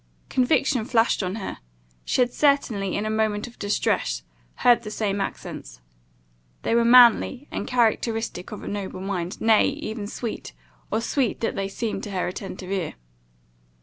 Conviction flashed on her; she had certainly, in a moment of distress, heard the same accents. They were manly, and characteristic of a noble mind; nay, even sweet or sweet they seemed to her attentive ear.